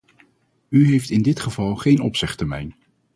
U heeft in dit geval geen opzegtermijn.